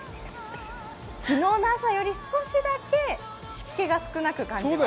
昨日の朝より少しだけ湿気が少なく感じます。